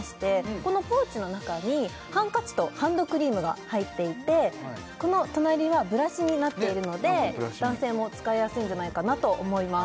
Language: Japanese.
このポーチの中にハンカチとハンドクリームが入っていてこの隣はブラシになっているので男性も使いやすいんじゃないかなと思います